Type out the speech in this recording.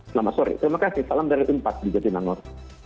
selamat sore terima kasih salam dari empat di jatimangor